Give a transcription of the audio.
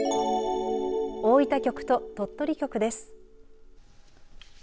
大分局と鳥取局です。